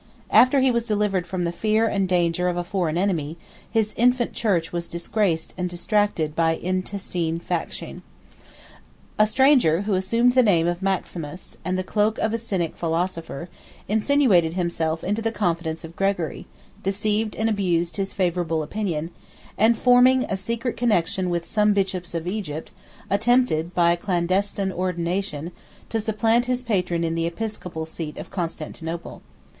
After he was delivered from the fear and danger of a foreign enemy, his infant church was disgraced and distracted by intestine faction. A stranger who assumed the name of Maximus, 34 and the cloak of a Cynic philosopher, insinuated himself into the confidence of Gregory; deceived and abused his favorable opinion; and forming a secret connection with some bishops of Egypt, attempted, by a clandestine ordination, to supplant his patron in the episcopal seat of Constantinople.